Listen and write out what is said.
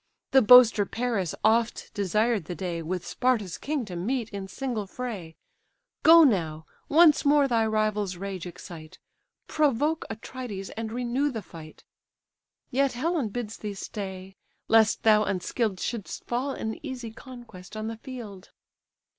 The boaster Paris oft desired the day With Sparta's king to meet in single fray: Go now, once more thy rival's rage excite, Provoke Atrides, and renew the fight: Yet Helen bids thee stay, lest thou unskill'd Shouldst fall an easy conquest on the field."